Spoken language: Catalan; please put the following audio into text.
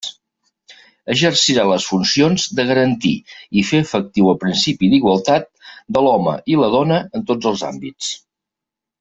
Exercirà les funcions de garantir i fer efectiu el principi d'igualtat de l'home i la dona en tots els àmbits.